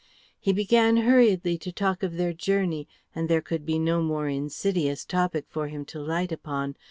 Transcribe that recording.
He began hurriedly to talk of their journey, and there could be no more insidious topic for him to light upon.